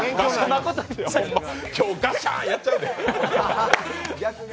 今日ガシャーンやっちゃうぜ。